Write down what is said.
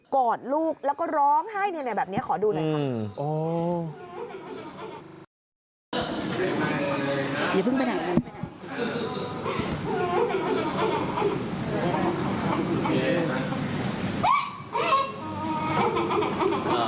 อดลูกแล้วก็ร้องไห้แบบนี้ขอดูหน่อยค่ะ